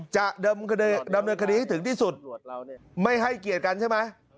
จะดำเนินคดีให้ถึงที่สุดไม่ให้เกียรติกันใช่ไหม